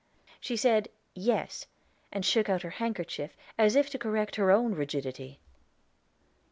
She said, "Yes," and shook out her handkerchief, as if to correct her own rigidity.